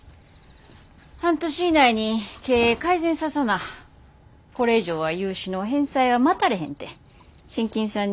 半年以内に経営改善ささなこれ以上は融資の返済は待たれへんて信金さんに言われてるよってな。